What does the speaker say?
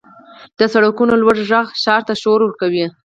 • د سړکونو لوړ ږغ ښار ته شور ورکوي.